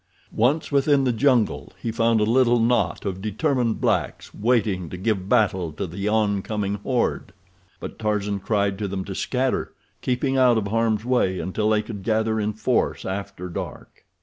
Once within the jungle, he found a little knot of determined blacks waiting to give battle to the oncoming horde, but Tarzan cried to them to scatter, keeping out of harm's way until they could gather in force after dark.